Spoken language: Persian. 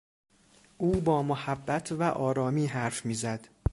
او با محبت و آرامی حرف میزد.